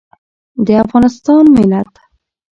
د افغانستان ملت